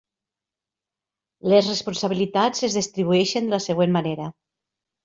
Les responsabilitats es distribueixen de la següent manera.